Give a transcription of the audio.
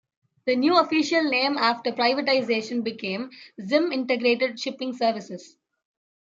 The new official name after privatization became Zim Integrated Shipping Services.